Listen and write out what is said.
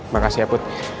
makasih ya put